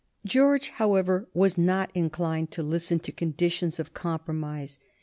George, however, was not inclined to listen to conditions of compromise.